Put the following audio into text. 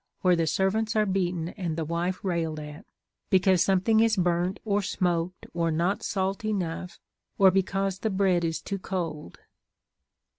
53 where the servants are beaten and the wife railed at, because something is burnt or smoked or not salt enough, or because the bread is too cold.